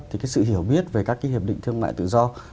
thì sự hiểu biết về các hiệp định thương mại tự do